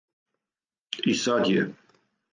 И сад је.